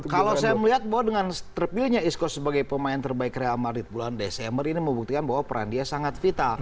kalau saya melihat bahwa dengan terpilihnya isco sebagai pemain terbaik real madrid bulan desember ini membuktikan bahwa peran dia sangat vital